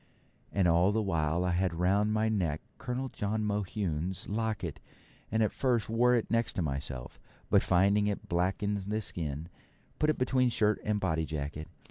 And all the while I had round my neck Colonel John Mohune's locket, and at first wore it next myself, but finding it black the skin, put it between shirt and body jacket.